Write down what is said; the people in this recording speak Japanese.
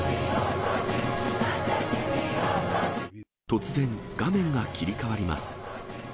突然、画面が切り替わります。